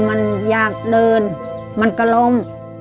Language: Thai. มันยากเดินมันกระล่ม